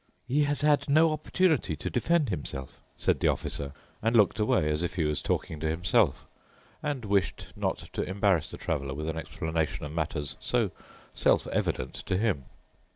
"He has had no opportunity to defend himself," said the Officer and looked away, as if he was talking to himself and wished not to embarrass the Traveler with an explanation of matters so self evident to him.